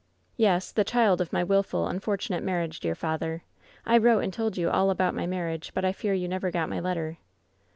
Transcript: " ^Yes, the child of my wilful, unfortunate marriage, dear father. I wrote and told you all about my mar riage, but I fear you never got my letter.'